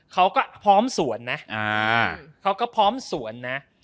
เขาก็พร้อมส่วนนะ